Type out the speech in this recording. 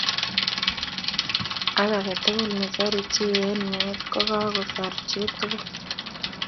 Ak agetugul ne soruu chii eng mee ko kakosuru chi tugul.